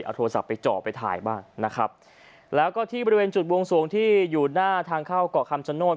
เอาโทรศัพท์ไปเจาะไปถ่ายบ้างนะครับแล้วก็ที่บริเวณจุดวงสวงที่อยู่หน้าทางเข้าเกาะคำชโนธ